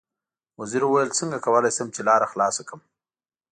وزیر وویل: څنګه کولای شم چې لاره خلاصه کړم.